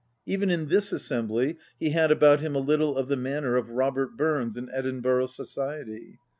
Even in this assembly he had about him a little of the manner of Robert Burns in Edinburgh society.